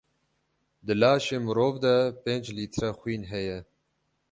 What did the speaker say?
Di laşê mirov de pênc lître xwîn heye.